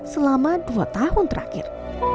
selama dua tahun terakhir